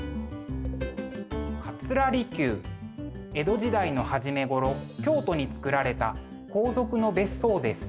江戸時代の初めごろ京都に造られた皇族の別荘です。